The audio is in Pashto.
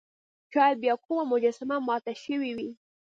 شاید بیا کومه مجسمه ماته شوې وي.